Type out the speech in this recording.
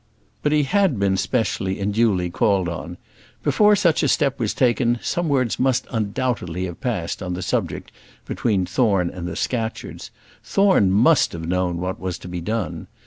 But he had been specially and duly called on. Before such a step was taken some words must undoubtedly have passed on the subject between Thorne and the Scatcherds. Thorne must have known what was to be done.